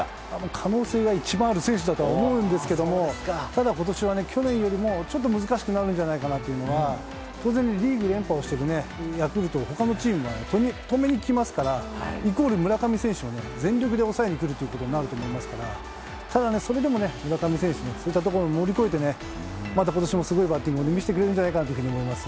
可能性が一番ある選手だと思うんですけどただ、今年は去年よりもちょっと難しくなるかなと思うのは当然リーグ連覇をしているヤクルトを他のチームは止めに来ますからイコール村上選手を全力で抑えにくるということになりますからただ、それでも村上選手がそういったところを乗り越えてまた今年もすごいバッティングを見せてくれるんじゃないかと思います。